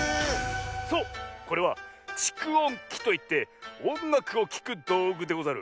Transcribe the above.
そうこれは「ちくおんき」といっておんがくをきくどうぐでござる。